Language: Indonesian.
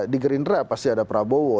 di gerindra pasti ada prabowo